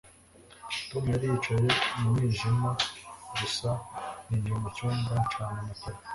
Tom yari yicaye mu mwijima gusa ninjiye mucyumba ncana amatara